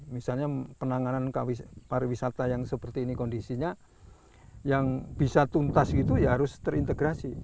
misalnya penanganan para wisata yang seperti ini kondisinya yang bisa tuntas itu harus terintegrasi